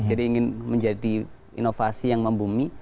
jadi ingin menjadi inovasi yang membumi